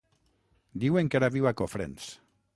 Diuen que ara viu a Cofrents.